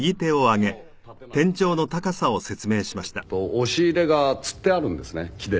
押し入れがつってあるんですね木で。